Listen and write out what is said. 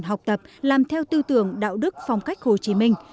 học tập làm theo tư tưởng đạo đức phong cách hồ chí minh